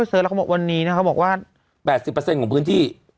ไปเซิร์ชว่าดอกไม่คนว่า๘๐ของไว้